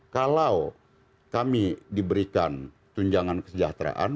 kalau kami diberikan tunjangan kesejahteraan